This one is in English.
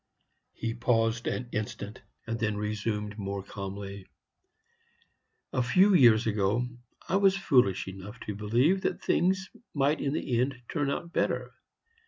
He paused an instant, and then resumed, more calmly: "A few years ago I was foolish enough to believe that things might in the end turn out better.